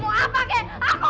mau apa kek aku gak mau tau